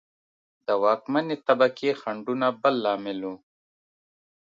د واکمنې طبقې خنډونه بل لامل و.